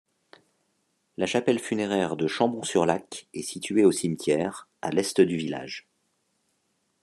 La chapelle funéraire de Chambon-sur-Lac est située au cimetière, à l'est du village.